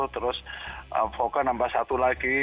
terus voka nambah satu lagi